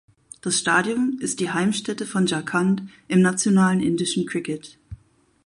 Das Stadion ist die Heimstätte von Jharkhand im nationalen indischen Cricket.